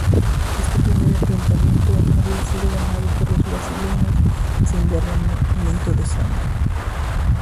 Este primer enfrentamiento había sido ganado por los brasileños sin derramamiento de sangre.